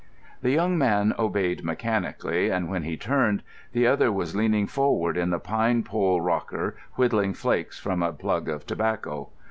The young man obeyed mechanically, and when he turned, the other was leaning forward in the pine pole rocker, whittling flakes from a plug of tobacco.